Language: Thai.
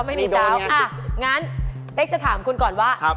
อางั้นเป๊กจะถามคุณก่อนว่าครับ